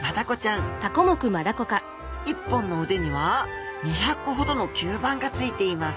１本の腕には２００個ほどの吸盤がついています。